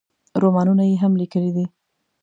رومانونه یې هم لیکلي دي.